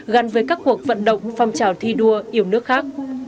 gắn với các cuộc vận động phong trào thi đua yêu nước khác